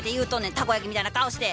たこ焼きみたいな顔して。